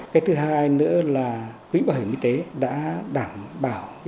cái thứ hai nữa là quỹ bảo hiểm y tế đã đảm bảo